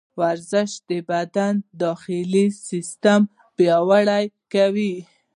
ورزش د بدن داخلي سیسټم پیاوړی کوي.